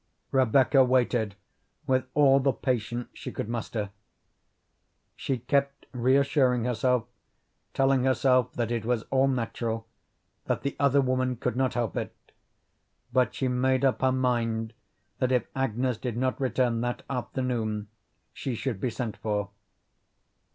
Rebecca waited with all the patience she could muster. She kept reassuring herself, telling herself that it was all natural, that the other woman could not help it, but she made up her mind that if Agnes did not return that afternoon she should be sent for.